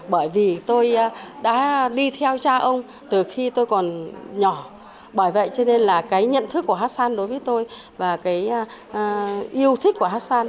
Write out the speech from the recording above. bởi vì tôi đã đi theo cha ông từ khi tôi còn nhỏ bởi vậy cho nên là cái nhận thức của hát xoan đối với tôi và cái yêu thích của hát xoan